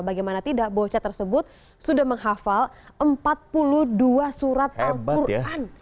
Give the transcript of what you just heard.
bagaimana tidak bocah tersebut sudah menghafal empat puluh dua surat al quran